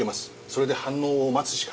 それで反応を待つしか。